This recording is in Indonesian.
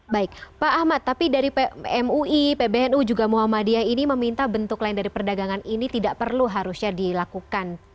baik pak ahmad tapi dari mui pbnu juga muhammadiyah ini meminta bentuk lain dari perdagangan ini tidak perlu harusnya dilakukan